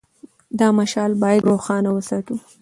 دا مشعل باید روښانه وساتو.